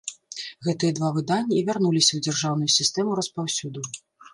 Гэтыя два выданні і вярнуліся ў дзяржаўную сістэму распаўсюду.